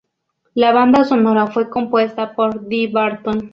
La banda sonora fue compuesta por Dee Barton.